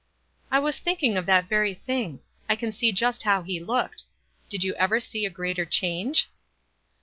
"I was thinking of that very thing. I can see just how he looked. Did you ever sec a greater change